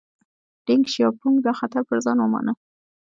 دینګ شیاپونګ دا خطر پر ځان ومانه.